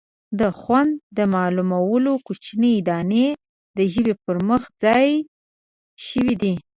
د خوند د معلومولو کوچنۍ دانې د ژبې پر مخ ځای شوي دي.